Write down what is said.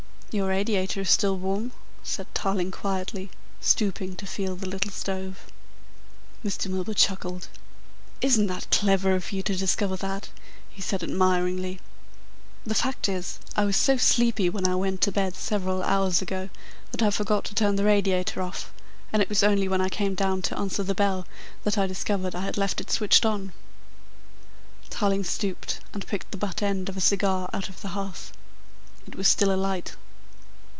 "Your radiator is still warm," said Tarling quietly, stooping to feel the little stove. Mr. Milburgh chuckled. "Isn't that clever of you to discover that?" he said admiringly. "The fact is, I was so sleepy when I went to bed, several hours ago, that I forgot to turn the radiator off, and it was only when I came down to answer the bell that I discovered I had left it switched on." Tarling stooped and picked the butt end of a cigar out of the hearth. It was still alight.